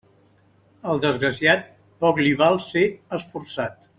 Al desgraciat poc li val ser esforçat.